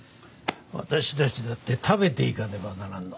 私たちだって食べていかねばならんのだ。